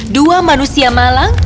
dua manusia malang